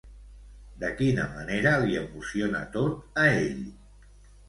De quina manera li emociona tot a ell?